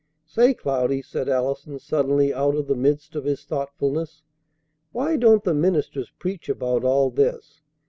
"Say, Cloudy," said Allison suddenly out of the midst of his thoughtfulness, "why don't the ministers preach about all this?